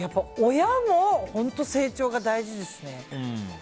親も本当に成長が大事ですね。